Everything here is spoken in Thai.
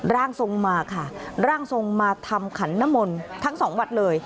ร่างทรงมาค่ะร่างทรงมาทำขันนมลทั้งสองวัดเลย